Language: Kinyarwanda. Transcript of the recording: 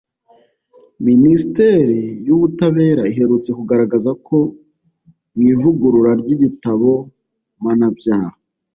Minisiteri y’ubutabera iherutse kugaragaza ko mu ivugurura ry’igitabo mpanabyaha